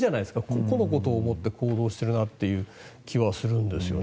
個のことを思って行動しているなという気はするんですね。